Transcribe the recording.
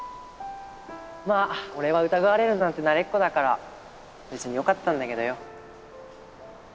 まあ俺は疑われるのなんて慣れっこだから別によかったんだけどよ。